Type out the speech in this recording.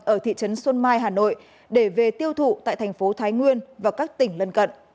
ở thị trấn xuân mai hà nội để về tiêu thụ tại thành phố thái nguyên và các tỉnh lân cận